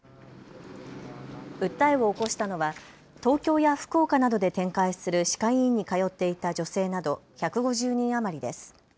訴えを起こしたのは東京や福岡などで展開する歯科医院に通っていた女性など１５０人余りです。